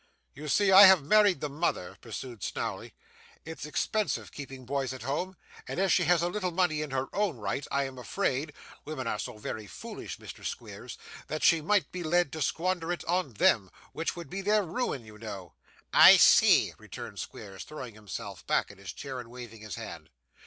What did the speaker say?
'You see I have married the mother,' pursued Snawley; 'it's expensive keeping boys at home, and as she has a little money in her own right, I am afraid (women are so very foolish, Mr. Squeers) that she might be led to squander it on them, which would be their ruin, you know.' 'I see,' returned Squeers, throwing himself back in his chair, and waving his hand.